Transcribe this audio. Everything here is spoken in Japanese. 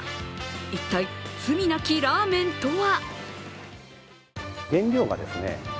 一体、罪なきラーメンとは？